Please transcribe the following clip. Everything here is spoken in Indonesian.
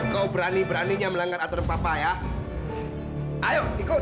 kau berani beraninya melanggar aturan papa ya ayo ikut